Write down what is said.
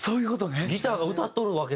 ギターが歌っとるわけですね。